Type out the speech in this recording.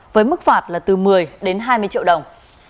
với mức phạt là từ một mươi đến hai mươi triệu đồng